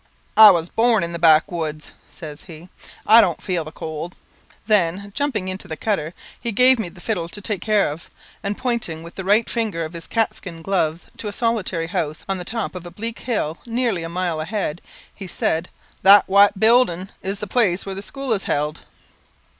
"I was born in the Backwoods," say he; "I don't feel the cold." Then jumping into the cutter, he gave me the fiddle to take care of, and pointing with the right finger of his catskin gloves to a solitary house on the top of a bleak hill, nearly a mile a head, he said, "That white building is the place where the school is held."